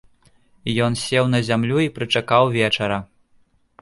Ён сеў на зямлю і прычакаў вечара.